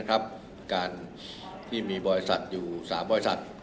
การที่มีบริษัทอยู่๓บริษัท